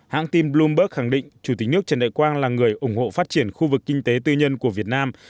hãng tin bloomberg khẳng định chủ tịch nước trần đại quang là người ủng hộ phát triển khu vực kinh tế tư nhân của việt nam